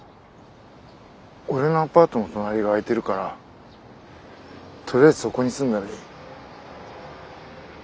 俺のアパートの隣が空いてるからとりあえずそこに住んだらいい。